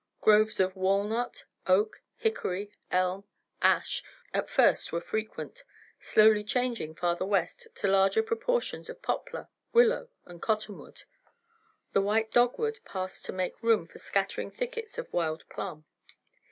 Groves of walnut, oak, hickory, elm, ash at first were frequent, slowly changing, farther west, to larger proportions of poplar, willow and cottonwood. The white dogwood passed to make room for scattering thickets of wild plum.